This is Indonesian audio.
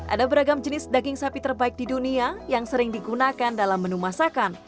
ada beragam jenis daging sapi terbaik di dunia yang sering digunakan dalam menu masakan